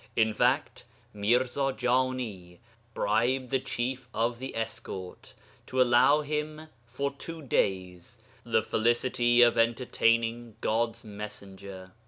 In fact, Mirza Jani bribed the chief of the escort, to allow him for two days the felicity of entertaining God's Messenger.